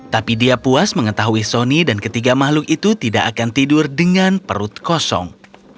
tapi dia puas mengetahui sony dan ketiga makhluk itu tidak akan tidur dengan perut kosong